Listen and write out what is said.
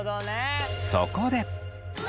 そこで。